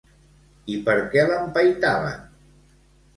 I per què l'empaitaven?